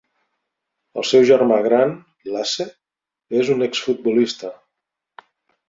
El seu germà gran, Lasse, és un exfutbolista.